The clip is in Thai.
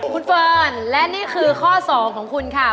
คุณเฟิร์นและนี่คือข้อ๒ของคุณค่ะ